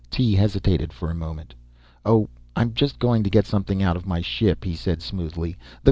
Tee hesitated for a moment. "Oh, I'm just going to get something out of my ship," he said, smoothly.